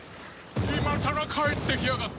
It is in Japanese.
今さら帰ってきやがって。